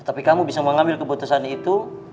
tapi kamu bisa mengambil keputusan itu